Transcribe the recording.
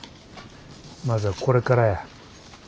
まずはこれからや。